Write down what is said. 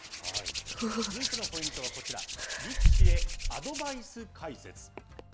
続いてのポイントはこちら、力士へアドバイス解説。